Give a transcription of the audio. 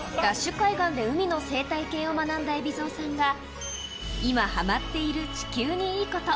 海岸で海の生態系を学んだ海老蔵さんが、今、はまっている地球にいいこと。